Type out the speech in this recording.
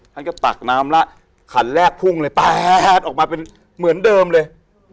ท่านก็ตักน้ำแล้วขันแรกพุ่งเลยแป๊ดออกมาเป็นเหมือนเดิมเลย